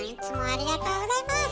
ありがとうございます！